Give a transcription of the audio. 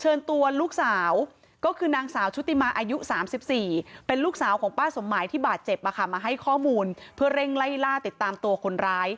เชิญตัวลูกสาวก็คือนางสาวชุติมาอายุ๓๔เป็นลูกสาวของป้าสมหมายที่บาดเจ็บมาให้ข้อมูลเพื่อเร่งไล่ล่าติดตามตัวคนร้าย